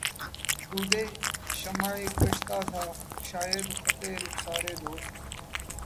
دودِ شمعِ کشتہ تھا شاید خطِ رخسارِ دوست